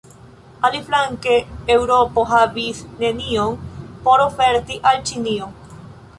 Aliflanke, Eŭropo havis nenion por oferti al Ĉinio.